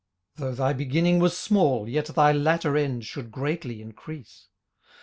18:008:007 Though thy beginning was small, yet thy latter end should greatly increase.